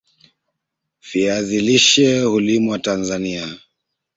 Viazi lishe hulimwa Tanzania